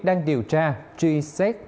đang điều tra truy xét